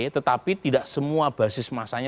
tetapi tidak semua basis masanya